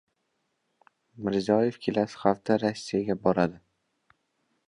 Mirziyoyev kelasi hafta Rossiyaga boradi